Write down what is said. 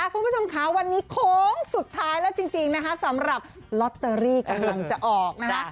คุณผู้ชมค่ะวันนี้โค้งสุดท้ายแล้วจริงนะคะสำหรับลอตเตอรี่กำลังจะออกนะคะ